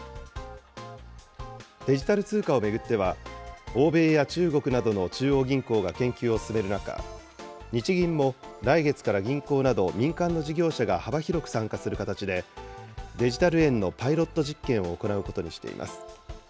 デジタル通貨を巡っては、欧米や中国などの中央銀行が研究を進める中、日銀も、来月から銀行など民間の事業者が幅広く参加する形で、デジタル円のパイロット実験を行うことにしています。